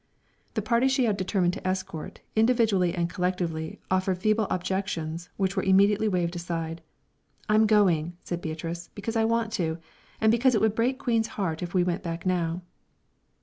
The party she had determined to escort, individually and collectively, offered feeble objections, which were immediately waved aside. "I'm going," said Beatrice, "because I want to, and because it would break Queen's heart if we went back now."